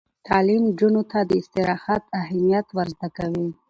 تعلیم نجونو ته د استراحت اهمیت ور زده کوي.